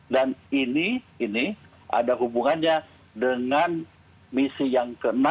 dan ini ada hubungannya dengan misi yang ke enam